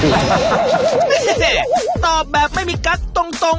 เฮเฮตอบแบบไม่มีกรรตรง